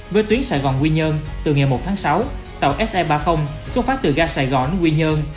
với tuyến sài gòn quy nhơn từ ngày một tháng sáu tàu se ba mươi xuất phát từ ga sài gòn quy nhơn